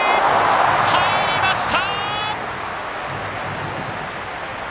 入りました！